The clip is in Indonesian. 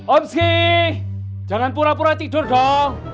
opsi jangan pura pura tidur dong